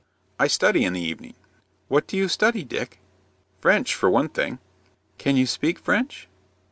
"I study in the evening." "What do you study, Dick?" "French, for one thing." "Can you speak French?"